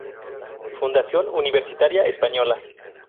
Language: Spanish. Fundación Universitaria Española.